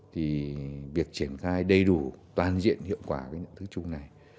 thì việc triển khai đầy đủ toàn diện hiệu quả cái nhận thức chung này